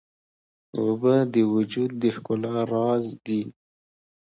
اوبه د وجود د ښکلا راز دي.